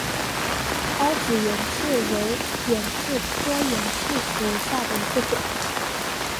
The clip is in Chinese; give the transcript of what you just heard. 凹籽远志为远志科远志属下的一个种。